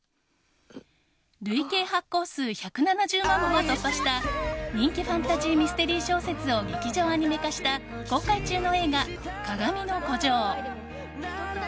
累計発行数１７０万部を突破した人気ファンタジーミステリー小説を劇場アニメ化した公開中の映画「かがみの孤城」。